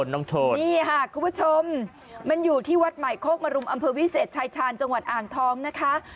นี่ค่ะคุณผู้ชมมันอยู่ที่วัดใหม่โคกมรุมอำเภอวิเศษชายชาญจังหวัดอ่างทองนะคะ